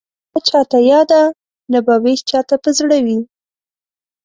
نه به پوله چاته یاده نه به وېش چاته په زړه وي